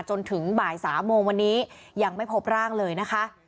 จนถึงบ่าย๓โมงวันนี้ยังไม่พบร่างเลยนะคะ